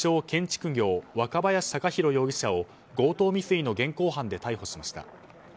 建築業若林翔洋容疑者を強盗未遂の現行犯で逮捕しました。